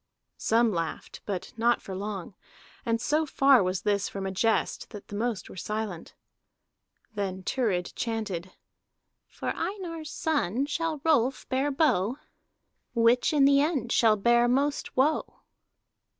Some laughed, but not for long, and so far was this from a jest that the most were silent. Then Thurid chanted: "For Einar's son shall Rolf bear bow. Which in the end shall bear most woe?"